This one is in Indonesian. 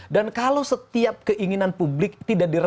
dan kalau setiap keinginan publik tidak diresep